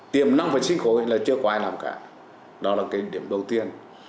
tiềm năng và sinh khối là chưa có ai làm cả đó là cái điểm đầu tiên